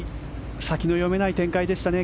先の読めない展開でしたね。